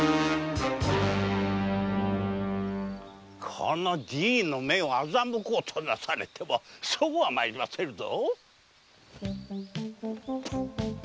この“じい”の目を欺こうとなされてもそうはまいりませぬぞ！